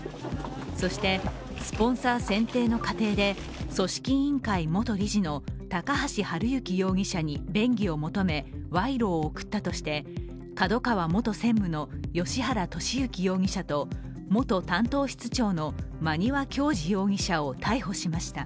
そしてスポンサー選定の過程で組織委員会元理事の高橋治之容疑者に便宜を求め賄賂を送ったとして、ＫＡＤＯＫＡＷＡ元専務の芳原世幸容疑者と元担当室長の馬庭教二容疑者を逮捕しました。